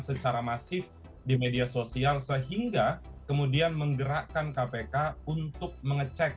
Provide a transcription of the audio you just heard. secara masif di media sosial sehingga kemudian menggerakkan kpk untuk mengecek